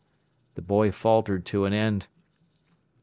The boy faltered to an end.